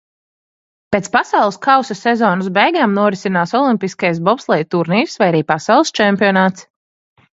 Pēc pasaules kausa sezonas beigām norisinās olimpiskais bobsleja turnīrs vai arī pasaules čempionāts.